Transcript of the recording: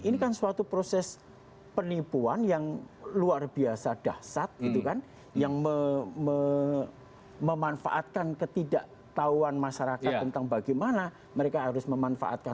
ini kan suatu proses penipuan yang luar biasa dahsyat gitu kan yang memanfaatkan ketidaktahuan masyarakat tentang bagaimana mereka harus memanfaatkan